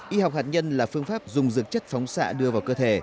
y học hạt nhân là phương pháp dùng dược chất phóng xạ đưa vào cơ thể